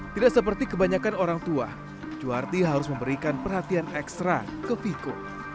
tidak seperti kebanyakan orang tua cuarti harus memberikan perhatian ekstra ke viko